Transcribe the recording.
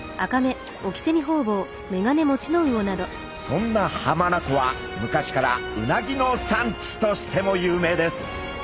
そんな浜名湖は昔からうなぎの産地としても有名です。